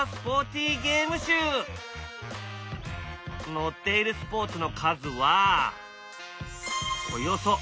載っているスポーツの数は。